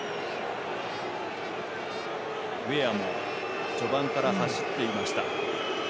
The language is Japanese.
ウェアも序盤から走っていました。